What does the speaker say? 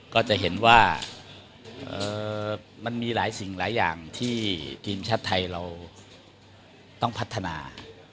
ก็จะเห็นว่ามันมีหลายสิ่งหลายอย่างที่ทีมชาติไทยเราต้องพัฒนา